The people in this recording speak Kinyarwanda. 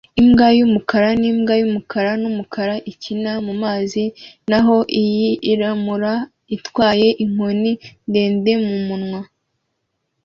Imbwa yumukara nimbwa yumukara numukara ikinira mumazi naho iyirabura itwaye inkoni ndende mumunwa